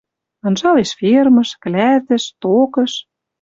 Анжалеш фермыш, клӓтӹш, токыш